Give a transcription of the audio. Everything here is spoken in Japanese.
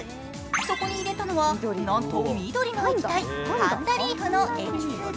そこに入れたのは、なんと緑の液体パンダリーフのエキス。